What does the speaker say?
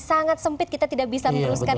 sangat sempit kita tidak bisa meneruskan